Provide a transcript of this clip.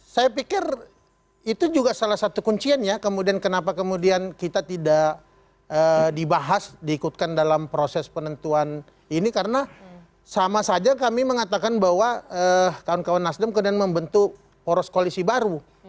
saya pikir itu juga salah satu kunciannya kemudian kenapa kemudian kita tidak dibahas diikutkan dalam proses penentuan ini karena sama saja kami mengatakan bahwa kawan kawan nasdem kemudian membentuk poros koalisi baru